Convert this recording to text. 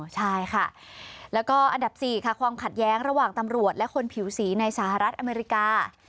ใช่ค่ะแล้วก็อันดับ๔ค่ะความขัดแย้งระหว่างตำรวจและคนผิวสีในสหรัฐอเมริกา